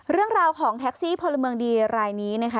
เรื่องราวของแท็กซี่พลเมืองดีรายนี้นะคะ